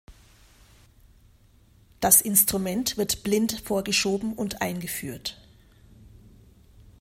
Das Instrument wird blind vorgeschoben und eingeführt.